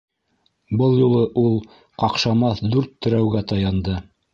Был юлы ул ҡаҡшамаҫ дүрт терәүгә таянды.